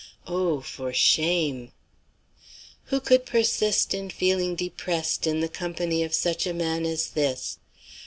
Oh, for shame!" Who could persist in feeling depressed in the company of such a man as this?